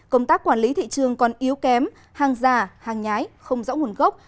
công tác quản lý thị trường còn yếu kém hàng giả hàng nhái không rõ nguồn gốc